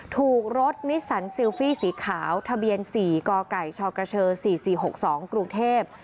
ถูกรถนิสสันซิลฟี่สีขาวทะเบียน๔กไก่ชกช๔๔๖๒กรุงเทพ